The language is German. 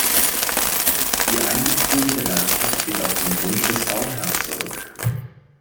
Die Einbeziehung der Landschaft geht auf den Wunsch des Bauherrn zurück.